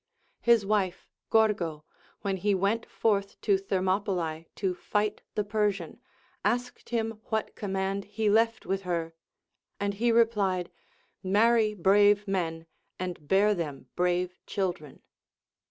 His wife Gorgo, Avhen he went forth to Thermopylae to fight the Persian, asked him what command he left Λvith her ; and he replied, Marry brave men, and bear them brave children.